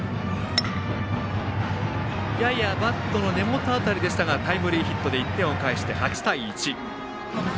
やや、バットの根元辺りでしたがタイムリーヒットで１点を返して８対１。